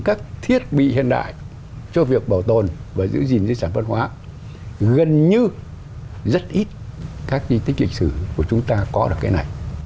các thiết bị hiện đại cho việc bảo tồn và giữ gìn di sản văn hóa gần như rất ít các di tích lịch sử của chúng ta có được cái này